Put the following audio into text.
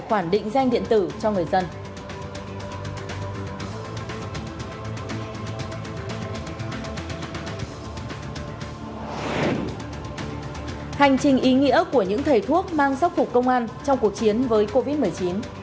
hành trình ý nghĩa của những thầy thuốc mang sắc phục công an trong cuộc chiến với covid một mươi chín